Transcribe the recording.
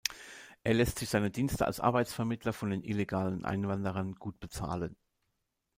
Er lässt sich seine Dienste als „Arbeitsvermittler“ von den illegalen Einwanderern gut bezahlen.